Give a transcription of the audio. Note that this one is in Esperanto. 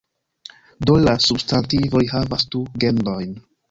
Do la substantivoj havas du genrojn.